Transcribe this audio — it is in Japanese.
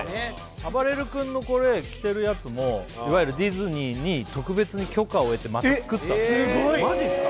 あばれる君のこれ着てるやつもいわゆるディズニーに特別に許可を得てまた作ったのマジですか？